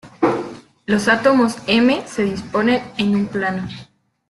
Los átomos M se disponen en un plano.